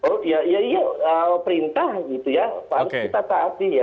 oh ya iya perintah gitu ya harus kita taati